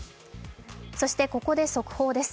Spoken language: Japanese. そしてここで速報です。